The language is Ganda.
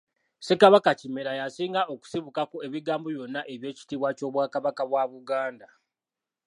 Ssekabaka Kimera ye asinga okusibukako ebigambo byonna eby'ekitiibwa ky'Obwakabaka bw'e Buganda.